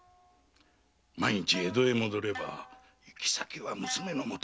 万一江戸へ戻れば行き先は娘のもと。